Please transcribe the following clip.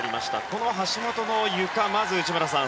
この橋本のゆかまず内村さん